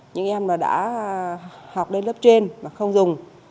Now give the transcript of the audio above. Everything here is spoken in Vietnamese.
những em mà đã học lên lớp trên mà không dùng